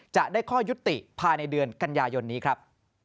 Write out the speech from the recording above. จะได้ข้อยุติภายในเดือนกันยายนนี้ครับ